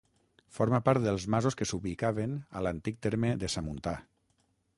Forma part dels masos que s'ubicaven a l'antic terme de Samuntà.